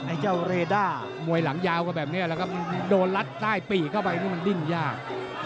ไอเจ้าเรด้ามวยหลังยาวก็แบบเนี่ยแล้วก็โดนรัดใต้ปีเข้าไปนี่มันดิ้งยาก